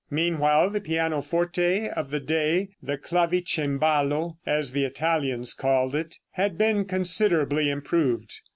Meanwhile the pianoforte of the day, the clavicembalo, as the Italians called it, had been considerably improved.